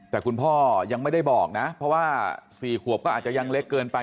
แต่คุณพ่อยังไม่ได้บอกนะเพราะว่า๔ขวบก็อาจจะยังเล็กเกินไป